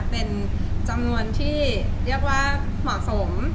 เป็นจำนวนที่เรียกว่าเหมาะสม